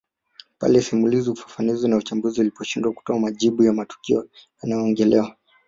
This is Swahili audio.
Pale simulizi ufafanuzi na uchambuzi unaposhindwa kutoa majibu ya matukio yanayoongelewa